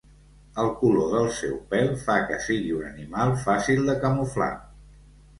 El color del seu pèl fa que sigui un animal fàcil de camuflar.